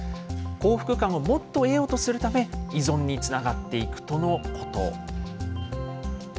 幸福感をもっと得ようとするため、依存につながっていくとのこと。